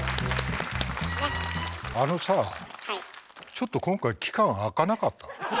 ちょっと今回期間空かなかった？